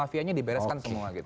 mafianya dibereskan semua gitu